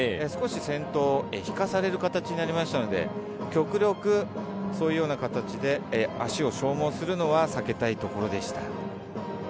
少し先頭に行かされる形になりましたので、極力そういうような形で足を消耗させるのは避けたいところでした。